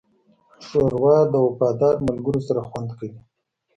ښوروا د وفادار ملګرو سره خوند کوي.